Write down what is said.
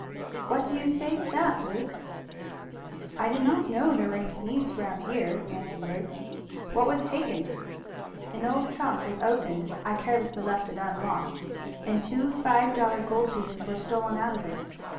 "What do you say to that, Luke?" "I did not know there were any thieves round here," answered Luke. "What was taken?" "An old trunk was opened I carelessly left it unlocked and two five dollar gold pieces were stolen out of it.